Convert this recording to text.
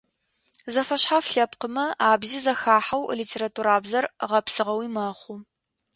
Зэфэшъхьаф лъэпкъымэ абзи зэхахьау литературабзэр гъэпсыгъэуи мэхъу.